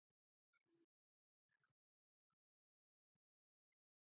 د مينې تور کتان افغاني کالي په تن وو.